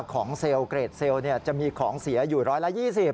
เซลล์เกรดเซลล์จะมีของเสียอยู่ร้อยละ๒๐